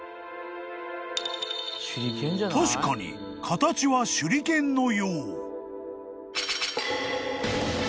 ［確かに形は手裏剣のよう］